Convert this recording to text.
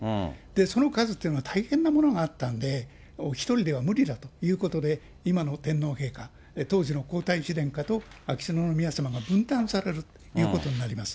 その数というのが大変なものがあったので、お一人では無理だということで、今の天皇陛下、当時の皇太子殿下と秋篠宮さまが分担されるということになります。